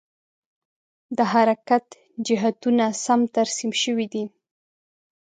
د حرکت جهتونه سم ترسیم شوي دي؟